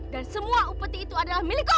dan semua upeti itu adalah milikku